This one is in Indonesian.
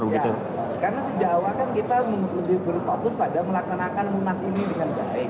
karena di jawa kan kita lebih berfokus pada melaksanakan memas ini dengan baik